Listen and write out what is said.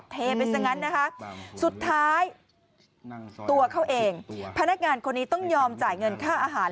พนักงานต้องยอมจ่ายเงินข้าวอาหาร